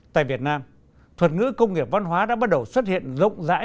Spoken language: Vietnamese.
tại việt nam thuật ngữ công nghiệp văn hóa đã bắt đầu xuất hiện rộng rãi